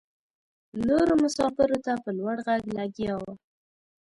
نورو مساپرو ته په لوړ غږ لګیا وه.